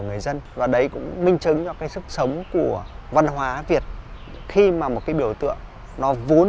người dân và đấy cũng minh chứng cho cái sức sống của văn hóa việt khi mà một cái biểu tượng nó vốn